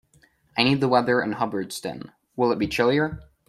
I need the weather in Hubbardston, will it be chillier?